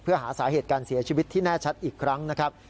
เพื่อหาสาเหตุการเสียชีวิตที่แน่ชัดอีกครั้งนะครับ